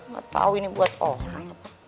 gak tahu ini buat orang